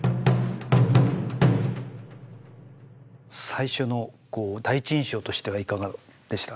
最初のこう第一印象としてはいかがでした？